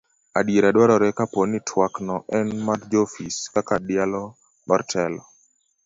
adiera dwarore kapo ni twak no en mar joofis kaka dialo mar telo